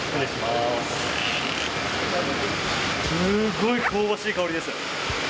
すごい香ばしい香りです。